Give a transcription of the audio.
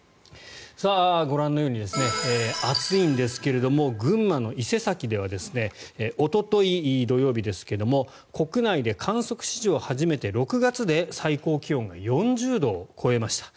ご覧のように暑いんですが群馬の伊勢崎ではおととい土曜日ですが国内で観測史上初めて６月で最高気温が４０度を超えました。